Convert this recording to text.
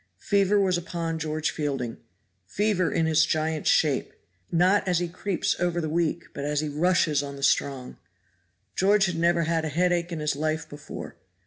Fever was upon George Fielding fever in his giant shape; not as he creeps over the weak, but as he rushes on the strong. George had never a headache in his life before.